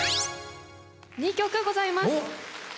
２曲ございます。